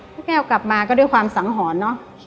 พี่แก้วกลับมาก็ด้วยความสังหรณ์เนอะ